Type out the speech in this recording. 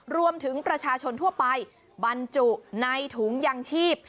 รวมถึงประชาชนทั่วไปบรรจุในถุงยางชีพ